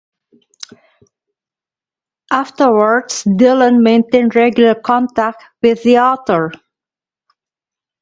Afterwards, Dillen maintained regular contact with the author.